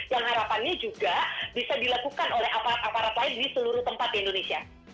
yang harapannya juga bisa dilakukan oleh aparat aparat lain di seluruh tempat di indonesia